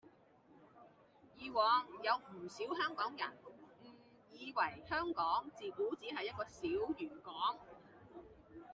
以往有唔少香港人誤以為香港自古只係一個小漁港